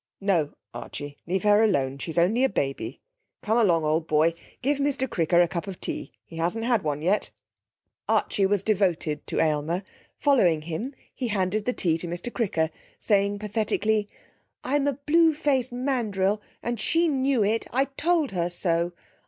'No, Archie, leave her alone; she's only a baby. Come along, old boy. Give Mr Cricker a cup of tea; he hasn't had one yet.' Archie was devoted to Aylmer. Following him, he handed the tea to Mr Cricker, saying pathetically: 'I'm a blue faced mandrill, and she knew it. I told her so.